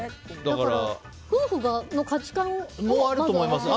夫婦の価値観もあると思います。